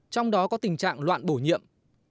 trong đó có tình trạng loạn bổ nhiệm